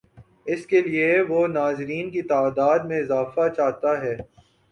اس کے لیے وہ ناظرین کی تعداد میں اضافہ چاہتا ہے۔